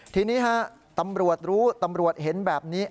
ทีนี้ฮะตำรวจรู้ตำรวจเห็นแบบนี้